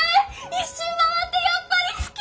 一周回ってやっぱり好き！